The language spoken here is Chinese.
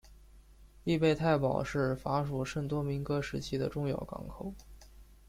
利贝泰堡是法属圣多明戈时期的重要港口。